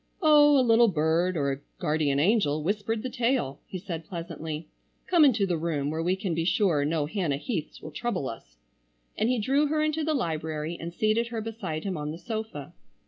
"Oh, a little bird, or a guardian angel whispered the tale," he said pleasantly. "Come into the room where we can be sure no Hannah Heaths will trouble us," and he drew her into the library and seated her beside him on the sofa.